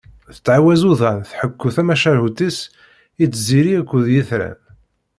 Tettɛawaz uḍan tḥekku tamacahut-is i tziri akked yitran.